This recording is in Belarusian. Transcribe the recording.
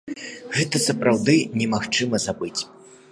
Гэта сапраўды немагчыма забыць.